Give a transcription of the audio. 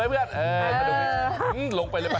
รบหน่อยระบบนี้ลงไปเลย